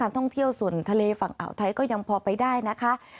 ท่องเที่ยวส่วนทะเลฝั่งอ่าวไทยก็ยังพอไปได้นะคะ